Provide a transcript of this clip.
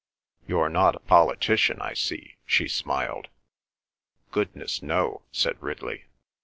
"You're not a politician, I see," she smiled. "Goodness, no," said Ridley.